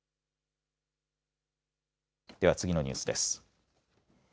では次のニュースです。